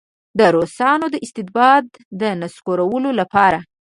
د روسانو د استبداد د نسکورولو لپاره.